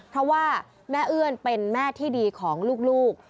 เพราะว่าแม่เอื้อนเป็นแม่ที่ดีของลูก